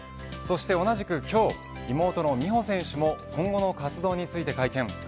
そして同じく今日妹の美帆選手も今後の活動について会見。